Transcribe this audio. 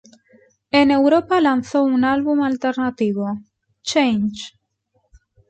En Europa lanzó un álbum alternativo: "Change".